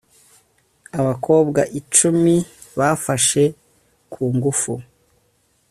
abakobwa icumi bafashe ku ngufu